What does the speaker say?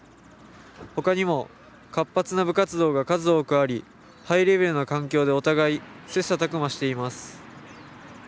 他にも活発な部活動が数多くあり、ハイレベルな環境でお互い切磋琢磨しています。